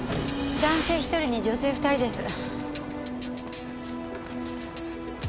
男性１人に女性２人です。